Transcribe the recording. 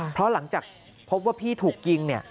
เพราะหลังจากพบว่าพี่ถูกยิงเนี่ย